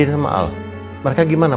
oke baik semana